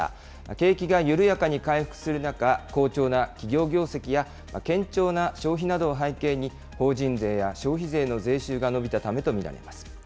景気が緩やかに回復する中、好調な企業業績や堅調な消費などを背景に、法人税や消費税の税収が伸びたためと見られます。